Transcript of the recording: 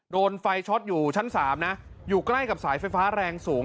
โดนไฟช็อตอยู่ชั้น๓นะอยู่ใกล้กับสายไฟฟ้าแรงสูง